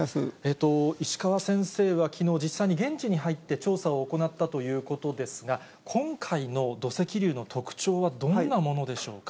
石川先生はきのう、実際に現地に入って調査を行ったということですが、今回の土石流の特徴はどんなものでしょうか。